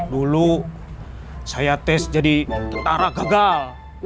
dulu saya tes jadi tentara gagal